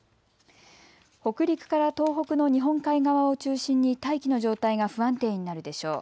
北陸から東北の日本海側を中心に大気の状態が不安定になるでしょう。